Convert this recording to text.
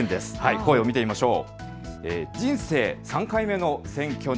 声を見てみましょう。